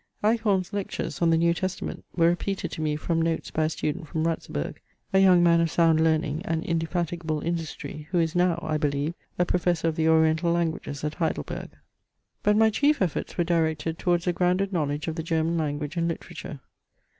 Eichhorn's lectures on the New Testament were repeated to me from notes by a student from Ratzeburg, a young man of sound learning and indefatigable industry, who is now, I believe, a professor of the oriental languages at Heidelberg. But my chief efforts were directed towards a grounded knowledge of the German language and literature.